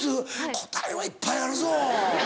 答えはいっぱいあるぞ。